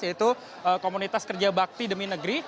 yaitu komunitas kerja bakti demi negeri